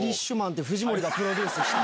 藤森がプロデュースした。